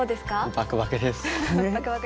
バクバクですか。